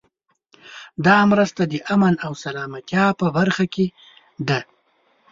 دا مرسته د امن او سلامتیا په برخه کې ده.